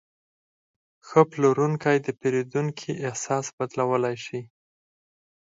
ښه پلورونکی د پیرودونکي احساس بدلولی شي.